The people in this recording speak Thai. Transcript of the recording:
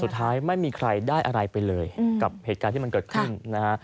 สุดท้ายไม่มีใครได้อะไรไปเลยกับเหตุการณ์ที่มันเกิดขึ้นนะฮะ